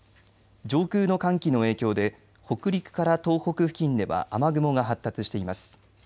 上空の寒気の影響で北陸から東北付近では雨雲が発達しています。